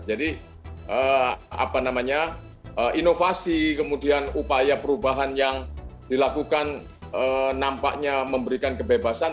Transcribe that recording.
jadi apa namanya inovasi kemudian upaya perubahan yang dilakukan nampaknya memberikan kebebasan